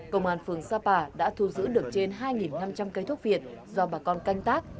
công an phường sapa đã thu giữ được trên hai năm trăm linh cây thuốc việt do bà con canh tác